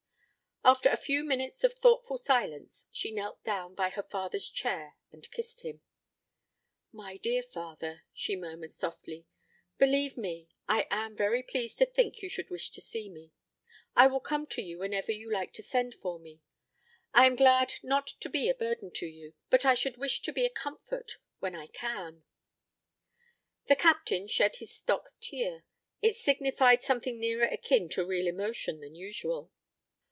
After a few minutes of thoughtful silence, she knelt down by her father's chair and kissed him. "My dear father," she murmured softly, "believe me, I am very pleased to think you should wish to see me. I will come to you whenever you like to send for me. I am glad not to be a burden to you; but I should wish to be a comfort when I can." The Captain shed his stock tear. It signified something nearer akin to real emotion than usual.